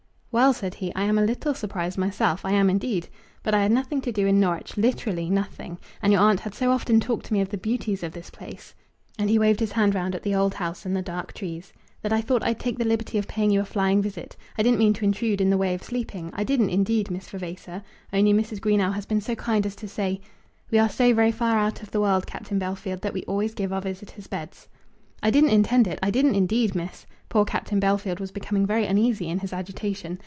"Well," said he; "I am a little surprised myself; I am, indeed! But I had nothing to do in Norwich, literally nothing; and your aunt had so often talked to me of the beauties of this place," and he waved his hand round at the old house and the dark trees, "that I thought I'd take the liberty of paying you a flying visit. I didn't mean to intrude in the way of sleeping; I didn't indeed, Miss Vavasor; only Mrs. Greenow has been so kind as to say " "We are so very far out of the world, Captain Bellfield, that we always give our visitors beds." "I didn't intend it; I didn't indeed, miss!" Poor Captain Bellfield was becoming very uneasy in his agitation.